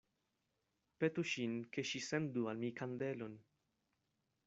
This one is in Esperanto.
Petu ŝin, ke ŝi sendu al mi kandelon.